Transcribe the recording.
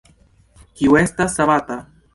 Kiu estas savata?